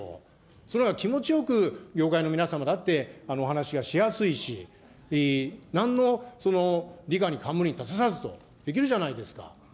それなら気持ちよく業界の皆様だってお話がしやすいし、なんの李下に冠を正さずってできるじゃないですか。